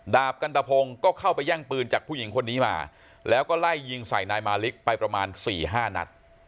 ดาบกันตะพงศ์ก็เข้าไปแย่งปืนจากผู้หญิงคนนี้มาแล้วก็ไล่ยิงใส่นายมาลิกไปประมาณ๔๕นัด